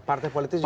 partai politik juga